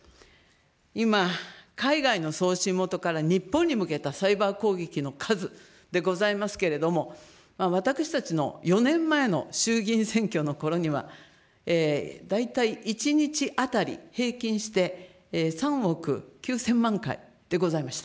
今、海外の送信元から日本に向けたサイバー攻撃の数でございますけれども、私たちの４年前の衆議院選挙のころには、大体１日当たり平均して３億９０００万回でございました。